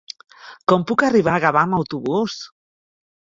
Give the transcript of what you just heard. Com puc arribar a Gavà amb autobús?